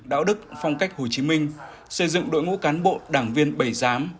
đạo đức phong cách hồ chí minh xây dựng đội ngũ cán bộ đảng viên bảy giám